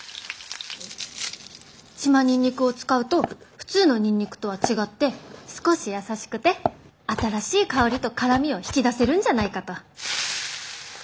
島ニンニクを使うと普通のニンニクとは違って少し優しくて新しい香りと辛みを引き出せるんじゃないかと。